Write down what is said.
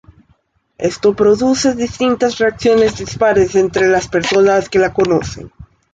Esto produce distintas reacciones dispares entre las personas que la conocen.